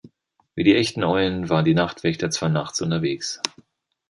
Wie die echten Eulen waren die Nachtwächter zwar nachts unterwegs.